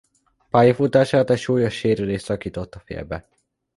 Pályafutását egy súlyos sérülés szakította félbe.